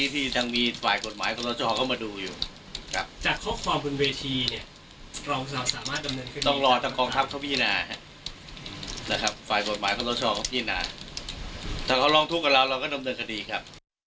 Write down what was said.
ถ้าเขาร้องทุกข์กับเราเราก็ดำเนินคดีครับ